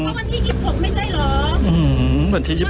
เพราะวันที่อีกหกไม่ได้เหรออือหือวันที่อีกหก